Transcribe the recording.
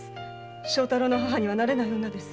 正太郎の母にはなれない女です。